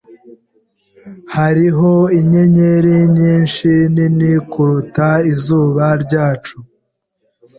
Hariho inyenyeri nyinshi nini kuruta izuba ryacu.